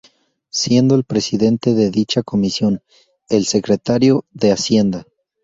Siendo el presidente de dicha comisión el Secretario de Hacienda.